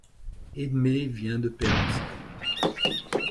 Edmée vient de perdre ses parents.